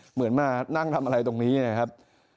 เหมือนมานั่งทำอะไรตรงนี้นะครับ